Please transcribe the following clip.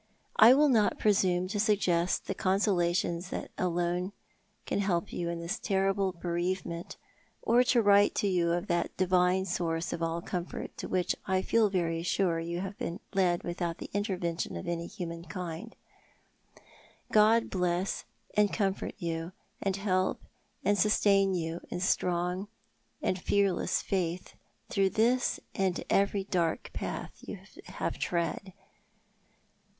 I will not presume to suggest the consolations that alone can help you in this terrible bereavement, or to write to you of that Divine source of all comfort to which I feel very sure you have been led without the intervention of any human guide. God bless and comfort you, and help and sustain you in strong and fearless faith through this and every dark path you have to tread.